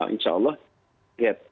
insya allah lihat